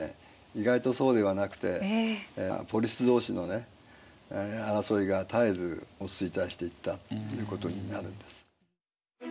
意外とそうではなくてポリス同士の争いが絶えず衰退していったということになるんです。